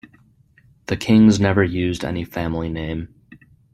The kings never used any family name.